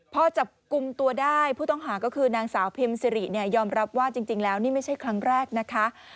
พอจับกลุ่มตัวได้ผู้ต้องหาก็คือนางสาวพิมสิริเนี่ยยอมรับว่าจริงแล้วนี่ไม่ใช่ครั้งแรกนะคะ